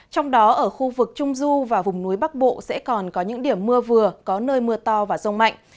trong đó ở khu vực trung du và vùng núi bắc bộ sẽ còn có những điểm mưa vừa có nơi mưa to và rông mạnh